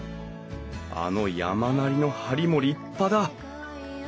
あの山なりの梁も立派だ！